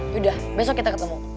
yaudah besok kita ketemu